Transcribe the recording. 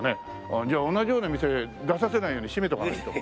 ああじゃあ同じような店出させないようにしめとかないと。